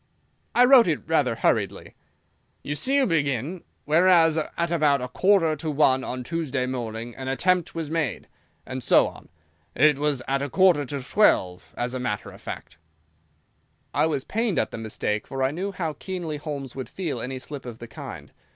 "I wrote it rather hurriedly." "You see you begin, 'Whereas, at about a quarter to one on Tuesday morning an attempt was made,' and so on. It was at a quarter to twelve, as a matter of fact." I was pained at the mistake, for I knew how keenly Holmes would feel any slip of the kind.